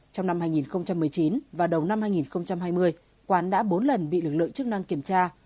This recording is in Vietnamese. trong năm hai nghìn một mươi chín và đầu năm hai nghìn hai mươi quán đã bốn lần bị lực lượng chức năng kiểm tra